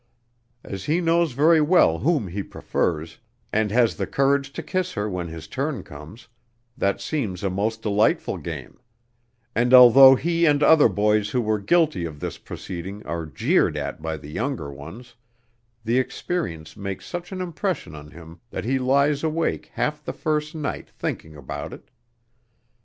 As he knows very well whom he prefers, and has the courage to kiss her when his turn comes, that seems a most delightful game; and although he and other boys who were guilty of this proceeding are jeered at by the younger ones, the experience makes such an impression on him that he lies awake half the first night thinking about it.